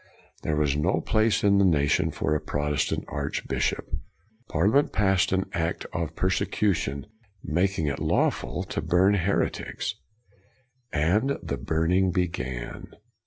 There was no place in the nation for a Protestant archbishop. Parliament passed an act of persecution, making it lawful to burn heretics. And the burning began.